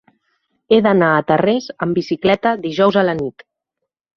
He d'anar a Tarrés amb bicicleta dijous a la nit.